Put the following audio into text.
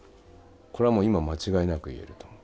これは今間違いなく言えると思う。